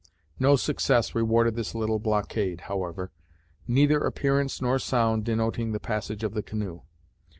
No success rewarded this little blockade, however, neither appearance nor sound denoting the passage of the canoe.